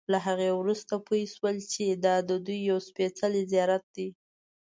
له هغې وروسته پوی شول چې دا ددوی یو سپېڅلی زیارت دی.